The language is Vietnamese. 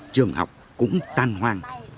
trường học cũng tan hoang